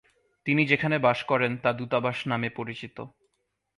তিনি যেখানে বাস করেন তা দূতাবাস নামে পরিচিত।